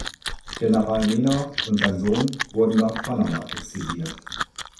General Mena und sein Sohn wurden nach Panama exiliert.